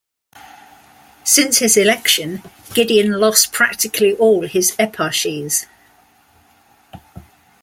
Since his election Gedeon lost practically all his eparchies.